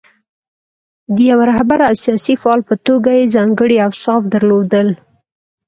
د یوه رهبر او سیاسي فعال په توګه یې ځانګړي اوصاف درلودل.